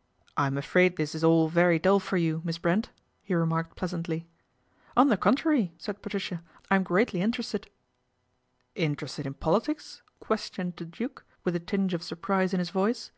" I am afraid this is all very dull for you, Mis Brent," he remarked pleasantly. " On the contrary/' said Patricia, " I ac greatly interested." " Interested in politics ?" questioned the Duke with a tinge of surprise in his voice.